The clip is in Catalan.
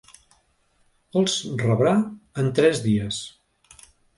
Els rebrà en tres dies.